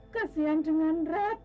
kesian dengan ratih